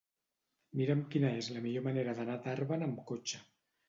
Mira'm quina és la millor manera d'anar a Tàrbena amb cotxe.